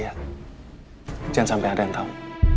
jangan sampai ada yang tau